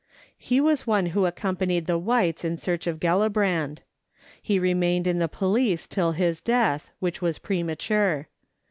He was one who accompanied the whites in search of Gellibrand. He remained in the police till his death, which was premature.